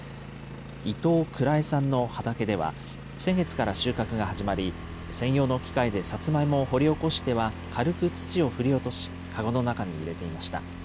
伊東藏衛さんの畑では、先月から収穫が始まり、専用の機械でさつまいもを掘り起こしては軽く土を振り落とし、籠の中に入れていました。